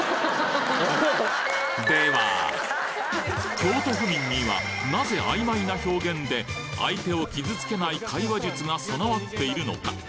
京都府民にはなぜ曖昧な表現で相手を傷つけない会話術が備わっているのか？